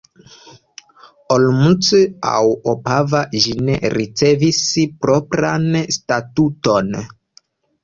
Olomouc aŭ Opava ĝi ne ricevis propran statuton.